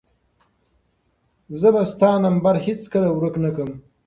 زه به ستا نمبر هیڅکله ورک نه کړم.